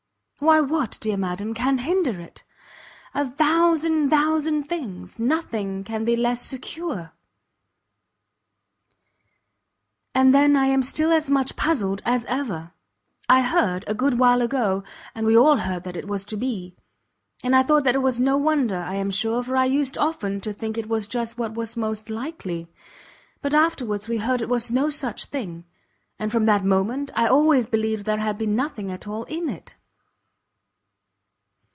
"Why what, dear madam, can hinder it?" "A thousand, thousand things! nothing can be less secure." "And then I am still as much puzzled as ever. I heard, a good while ago, and we all heard that it was to be; and I thought that it was no wonder, I am sure, for I used often to think it was just what was most likely; but afterwards we heard it was no such thing, and from that moment I always believed there had been nothing at all in it."